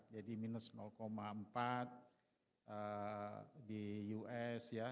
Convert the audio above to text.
jadi minus empat di us ya